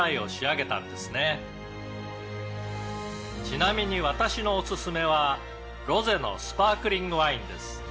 「ちなみに私のおすすめはロゼのスパークリングワインです」